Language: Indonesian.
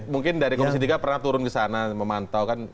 mungkin dari komisi tiga pernah turun ke sana memantau kan